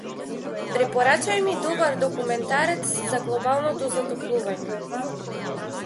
Препорачај ми добар документарец за глобалното затоплување.